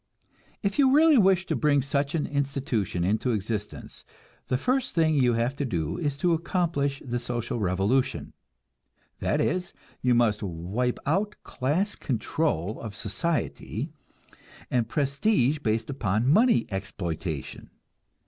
If you really wish to bring such an institution into existence, the first thing you have to do is to accomplish the social revolution; that is, you must wipe out class control of society, and prestige based upon money exploitation.